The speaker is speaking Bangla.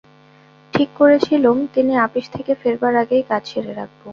ঠিক করেছিলুম তিনি আপিস থেকে ফেরবার আগেই কাজ সেরে রাখব।